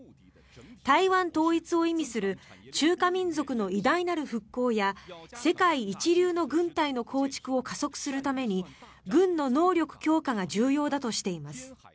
台湾統一を意味する中華民族の偉大なる復興や世界一流の軍隊の構築を加速するために軍の能力強化が重要だとしています。